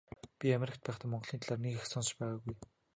Би Америкт байхдаа Монголын талаар нэг их сонсож байгаагүй.